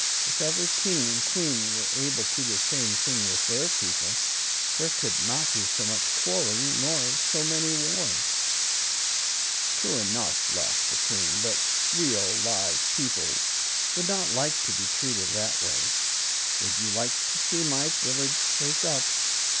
"If every king and queen were able to do the same thing with their people, there could not be so much quarreling nor so many wars." "True enough," laughed the Queen; "but real, live people would not like to be treated that way. Would you like to see my village wake up?"